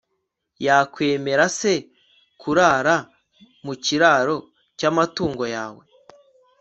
yakwemera se kurara mu kiraro cy'amatungo yawe